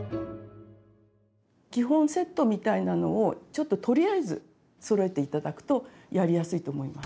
基本セットみたいなのをちょっととりあえずそろえて頂くとやりやすいと思います。